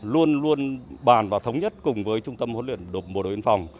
luôn luôn bàn và thống nhất cùng với trung tâm huấn luyện động bộ đội yên phòng